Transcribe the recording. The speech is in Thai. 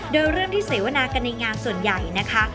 โดยเริ่มที่เสวนากันในงานส่วนใหญ่นะคะ